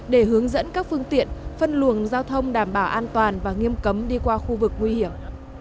để hướng dẫn các phương tiện phân luồng giao thông đảm bảo an toàn và nghiêm cấm đi qua khu vực nguy hiểm